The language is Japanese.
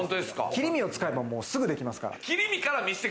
切り身を使えば、すぐできますから。